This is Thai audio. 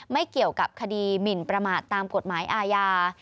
ไม่เกี่ยวกับคดีหมินประมาทตามกฎหมายอาญา